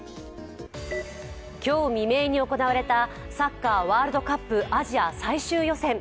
今日未明に行われたサッカーワールドカップ・アジア最終予選。